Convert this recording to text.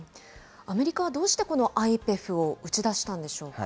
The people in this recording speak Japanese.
アメリカはどうして、このＩＰＥＦを打ち出したんでしょうか。